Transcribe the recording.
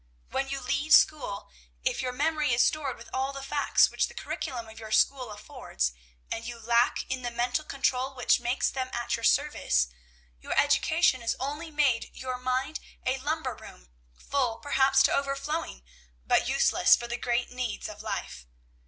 When you leave school, if your memory is stored with all the facts which the curriculum of your school affords, and you lack in the mental control which makes them at your service, your education has only made your mind a lumber room, full perhaps to overflowing, but useless for the great needs of life.